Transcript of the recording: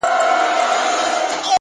صبر د موخو د ساتنې ځواک دی،